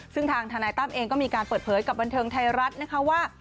ซึ่งทางทนายตั้มเองก็มีการเปิดเผยกับบันเทิงไทยรัฐนะคะว่า